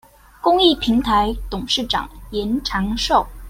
公益平臺董事長嚴長壽